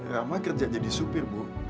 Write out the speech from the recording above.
lama kerja jadi supir bu